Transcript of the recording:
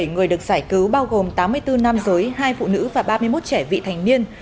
bảy người được giải cứu bao gồm tám mươi bốn nam giới hai phụ nữ và ba mươi một trẻ vị thành niên